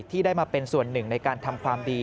ที่ได้มาเป็นส่วนหนึ่งในการทำความดี